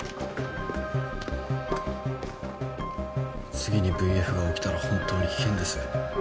次にＶＦが起きたら本当に危険です。